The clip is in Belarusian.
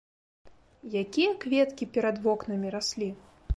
Якія кветкі перад вокнамі раслі!